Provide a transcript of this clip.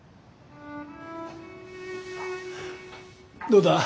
どうだ？